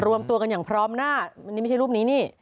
รวมตัวกันอย่างพร้อมหน้าไม่ใช่อย่างรูปนี้